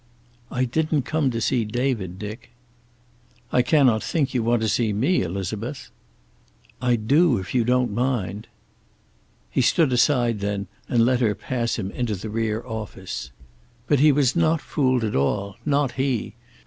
"I didn't come to see David, Dick." "I cannot think you want to see me, Elizabeth." "I do, if you don't mind." He stood aside then and let her pass him into the rear office. But he was not fooled at all. Not he.